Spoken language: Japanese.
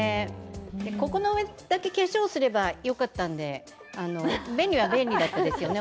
ここだけ化粧すればよかったんで、便利は便利だったですよね。